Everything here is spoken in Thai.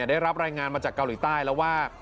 ได้รับรายงานมาจากเกาหลีใต้แล้วว่า